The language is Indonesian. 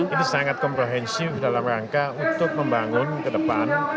ini sangat komprehensif dalam rangka untuk membangun ke depan